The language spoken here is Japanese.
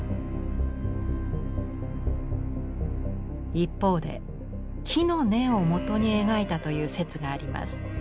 一方で木の根をもとに描いたという説があります。